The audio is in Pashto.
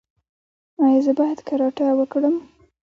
ایا زه باید کراټه وکړم؟